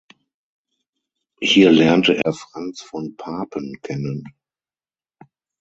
Hier lernte er Franz von Papen kennen.